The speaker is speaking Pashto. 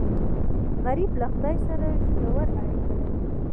غریب له خدای سره ژور اړیکه لري